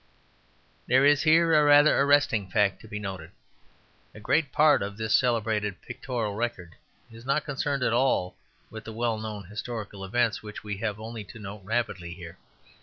There is here a rather arresting fact to be noted. A great part of this celebrated pictorial record is not concerned at all with the well known historical events which we have only to note rapidly here.